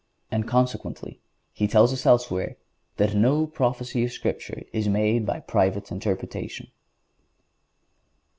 (146) And consequently he tells us elsewhere "that no prophecy of Scripture is made by private interpretation."